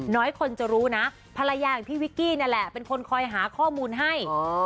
น้อยคนจะรู้นะภรรยาของพี่วิกกี้นั่นแหละเป็นคนคอยหาข้อมูลให้